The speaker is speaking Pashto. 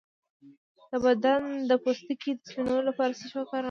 د بدن د پوستکي د سپینولو لپاره څه شی وکاروم؟